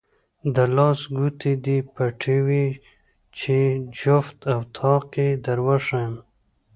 د لاس ګوتې دې پټوې چې جفت او طاق یې دروښایم.